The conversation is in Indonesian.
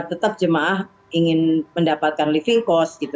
tetap jama'ah ingin mendapatkan living cost